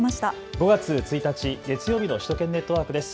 ５月１日、月曜日の首都圏ネットワークです。